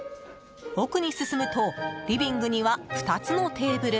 奥に進むとリビングには２つのテーブル。